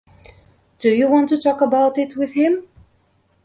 Do you want to talk about it with him?